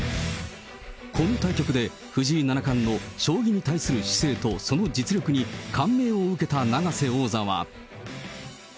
この対局で藤井七冠の将棋に対する姿勢とその実力に感銘を受けた永瀬王座は。